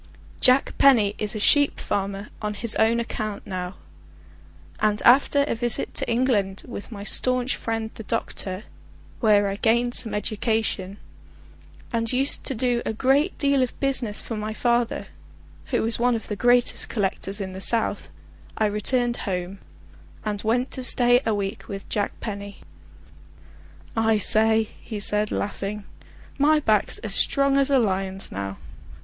Jack Penny is a sheep farmer on his own account now, and after a visit to England with my staunch friend the doctor, where I gained some education, and used to do a good deal of business for my father, who is one of the greatest collectors in the south, I returned home, and went to stay a week with Jack Penny. "I say," he said laughing, "my back's as strong as a lion's now.